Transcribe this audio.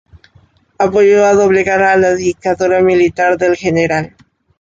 Apoyó a doblegar a la dictadura militar del Gral.